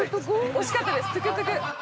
◆惜しかったです、トゥクトゥク。